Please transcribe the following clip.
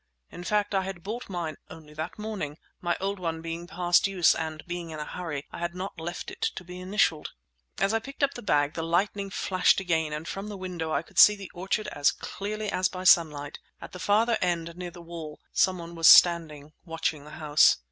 In fact, I had bought mine only that morning, my old one being past use, and being in a hurry, I had not left it to be initialled. As I picked up the bag the lightning flashed again, and from the window I could see the orchard as clearly as by sunlight. At the farther end near the wall someone was standing watching the house.